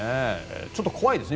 ちょっと怖いですね。